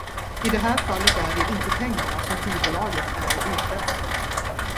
I det här fallet är det inte pengarna som skivbolaget är ute efter.